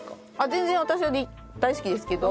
全然私は大好きですけど。